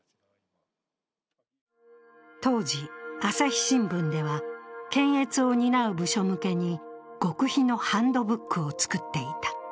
当時、朝日新聞では、検閲を担う部署向けに極秘のハンドブックを作っていた。